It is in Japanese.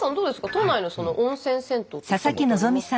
都内の温泉銭湯って行ったことありますか？